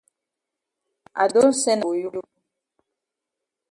I don sen am for you.